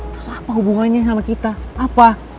terus apa hubungannya sama kita apa